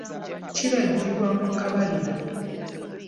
Kibajjibwa mu kabalira.